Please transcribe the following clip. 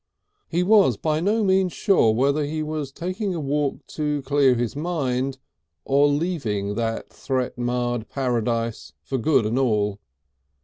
He was by no means sure whether he was taking a walk to clear his mind or leaving that threat marred Paradise for good and all.